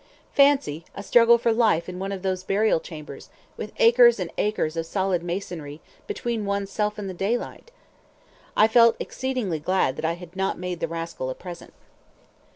Fancy a struggle for life in one of those burial chambers, with acres and acres of solid masonry between one's self and the daylight! I felt exceedingly glad that I had not made the rascal a present.